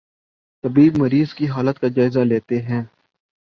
طبیب مریض کی حالت کا جائزہ لیتے ہیں